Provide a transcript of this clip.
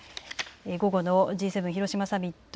午後のＧ７広島サミット